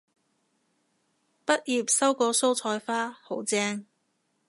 畢業收過蔬菜花，好正